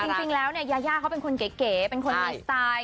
คือจริงแล้วยาเขาเป็นคนเก๋เป็นคนมีสไตล์